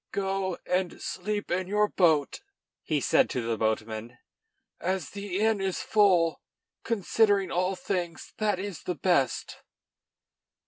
"Go and sleep in your boat," he said to the boatmen, "as the inn is full. Considering all things, that is best."